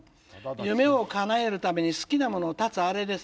夢をかなえるために好きなものを断つあれです」。